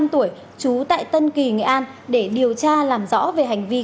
một mươi năm tuổi trú tại tân kỳ nghệ an để điều tra làm rõ về hành vi